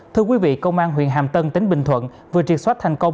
thưa quý vị công an huyện hàm tân tỉnh bình thuận vừa triệt xóa thành công